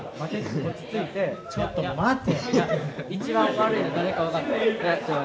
ちょっと待て。